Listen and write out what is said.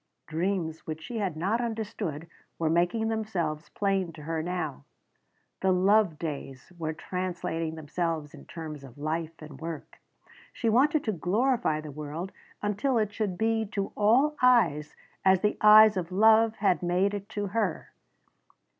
Dreams which she had not understood were making themselves plain to her now. The love days were translating themselves in terms of life and work. She wanted to glorify the world until it should be to all eyes as the eyes of love had made it to her.